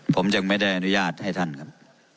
ผมจึงไม่ได้อนุญาตให้ท่านครับ